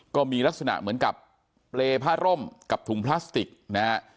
ก็มีลักษณะเหมือนกับเปรย์ผ้าร่มกับถุงพลาสติกนะฮะ